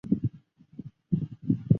萼片宿存。